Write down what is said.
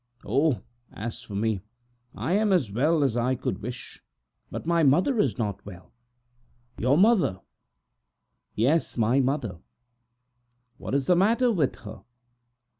"Oh I as for me, I am as well as I could wish, but my mother is very sick." "Your mother?" "Yes, my mother!" "What's the matter with her?"